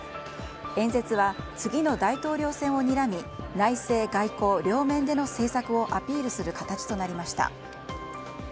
演説は次の大統領選をにらみ内政・外交両面での政策をアピールする形となりました。